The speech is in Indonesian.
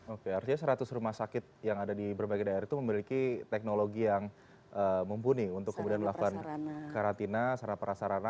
oke artinya seratus rumah sakit yang ada di berbagai daerah itu memiliki teknologi yang mumpuni untuk kemudian melakukan karantina secara perasarana